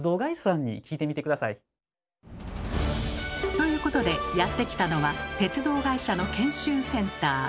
ということでやって来たのは鉄道会社の研修センター。